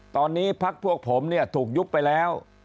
ตอนนี้พักพวกผมเนี่ยถูกยุบไปแล้ว